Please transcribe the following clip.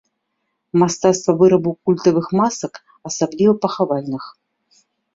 Мастацтва вырабу культавых масак, асабліва пахавальных.